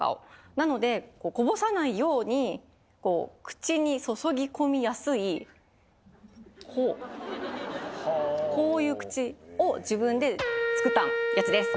なのでこぼさないようにこう口に注ぎ込みやすいこうこういう口を自分で作ったやつです。